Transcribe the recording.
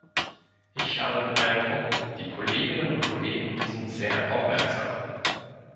Ich habe den Eindruck, die Kolleginnen und Kollegen sind sehr aufmerksam.